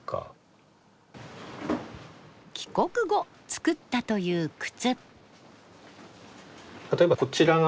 帰国後作ったという靴。